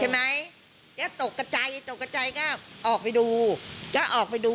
มันก็ระเบิดดังปุ้งใช่ไหมแล้วตกกระจายตกกระจายก็ออกไปดู